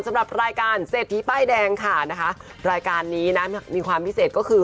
สำหรับรายการเศรษฐีป้ายแดงค่ะนะคะรายการนี้นะมีความพิเศษก็คือ